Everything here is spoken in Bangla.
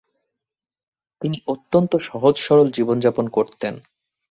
তিনি অত্যন্ত সহজ সরল জীবনযাপন করতেন।